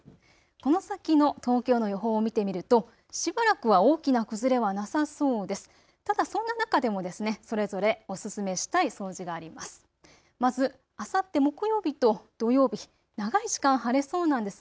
この先の東京の予報を見てみるとしばらくは大きな崩れはなさそうです。